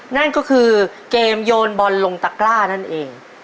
นั่นก็คือเกมโยนบอลลงตะกร้านั่นเอง